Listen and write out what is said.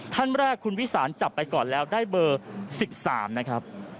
ท่านแรกคุณวิสานจับไปก่อนแล้วได้เบอร์๑๓นะครับ